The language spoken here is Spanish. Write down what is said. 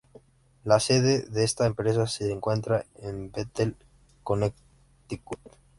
La sede de esta empresa se encuentra en Bethel, Connecticut.